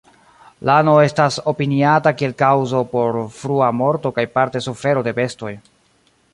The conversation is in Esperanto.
Lano estas opiniata kiel kaŭzo por frua morto kaj parte sufero de bestoj.